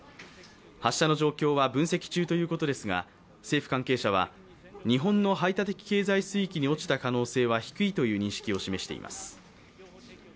発射の状況は分析中ということですが、政府関係者は、日本の排他的経済水域に落ちた可能性は低いという認識を示しています。